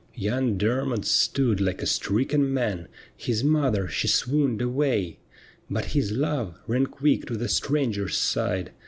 Young Dermod stood like a stricken man. His mother she swooned away ; But his love ran quick to the stranger's side.